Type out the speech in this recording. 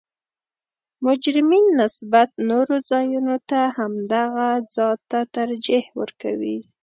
مجرمین نسبت نورو ځایونو ته همدغه ځا ته ترجیح ورکوي